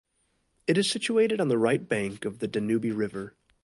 It is situated on the right bank of the Danube river.